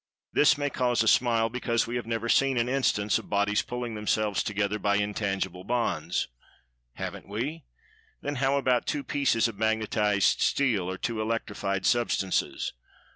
This may cause a smile, because we have never seen an instance of bodies pulling themselves together by intangible "bonds." Haven't we?[Pg 169] Then how about two pieces of magnetised steel, or two electrified substances?